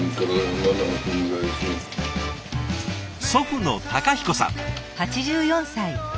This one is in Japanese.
祖父の彦さん。